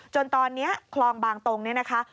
จนตอนนี้คลองบางตรงเนี่ยนะคะ